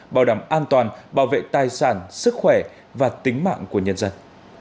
bảo đảm an toàn bảo vệ tài sản sức khỏe và tính mạng của nhân dân